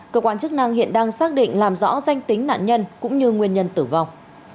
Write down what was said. cơ quan chức năng hiện đang xác định làm rõ danh tính nạn nhân cũng như nguyên nhân tử vong